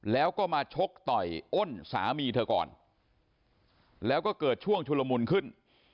แล้วก็มาชกต่อยอ้นสามีเธอก่อนแล้วก็เกิดช่วงชุลมุนขึ้น